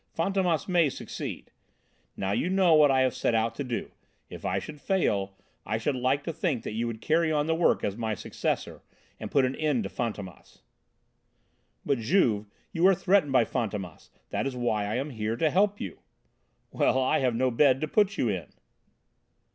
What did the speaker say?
Fantômas may succeed! Now you know what I have set out to do; if I should fail, I should like to think that you would carry on the work as my successor and put an end to Fantômas." "But, Juve, you are threatened by Fantômas; that is why I am here to help you." "Well, I have no bed to put you in."